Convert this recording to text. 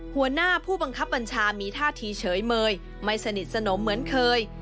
หัวหน้าผู้บังคับบัญชามีท่าทีเฉยเมยไม่สนิทสนมเหมือนเคย